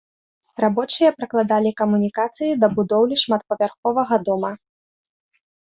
Рабочыя пракладалі камунікацыі да будоўлі шматпавярховага дома.